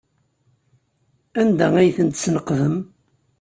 Anda ay tent-tesneqdem?